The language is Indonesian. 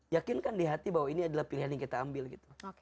yakinkan di hati bahwa ini adalah pilihan yang kita ambil gitu